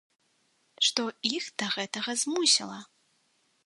Што іх да гэтага змусіла?